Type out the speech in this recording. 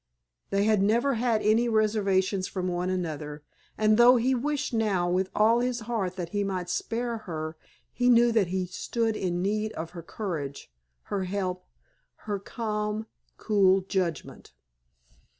They had never had any reservations from one another, and though he wished now with all his heart that he might spare her he knew that he stood in need of her courage, her help, her calm, cool judgment.